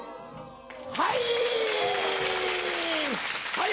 はい！